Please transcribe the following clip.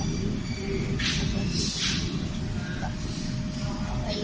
มีสิทธิ์ต่อไปหรือไม่ต่อไป